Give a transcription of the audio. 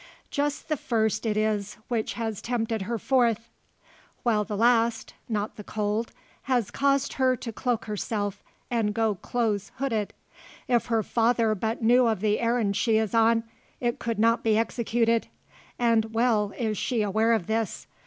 Just the first it is which has tempted her forth; while the last, not the cold, has caused her to cloak herself, and go close hooded. If her father but knew of the errand she is on, it could not be executed. And well is she aware of this.